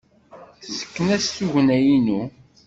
Tessken-as tugna-inu.